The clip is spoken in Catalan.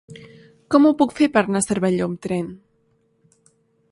Com ho puc fer per anar a Cervelló amb tren?